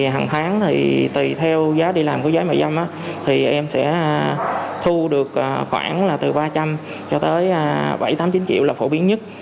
hằng tháng tùy theo giá đi làm của gái bán dâm em sẽ thu được khoảng từ ba trăm linh cho tới bảy tám chín triệu là phổ biến nhất